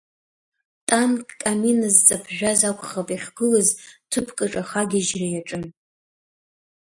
Танкк амина зҵаԥжәаз акәхап иахьгылаз ҭыԥк аҿы ахагьежьра иаҿын.